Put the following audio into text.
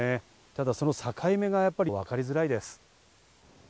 ただその境目がわかりづらいです。